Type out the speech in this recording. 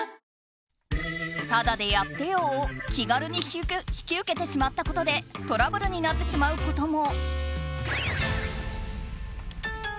」タダでやってよを気軽に引き受けてしまったことでトラブルになってしまうことも。